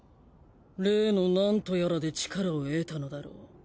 例のなんとやらで力を得たのだろう。